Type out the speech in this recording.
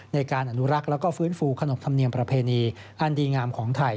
ในการอนุรักษ์แล้วก็ฟื้นฟูขนบธรรมเนียมประเพณีอันดีงามของไทย